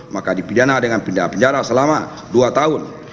maka dipidana dengan pindah penjara selama dua tahun